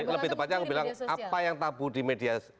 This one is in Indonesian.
lebih tepatnya aku bilang apa yang tabu di media